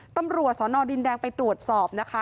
ตำรวจสอนอดินแดงไปตรวจสอบนะคะ